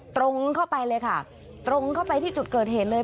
ตรงเข้าไปเลยค่ะตรงเข้าไปที่จุดเกิดเหตุเลย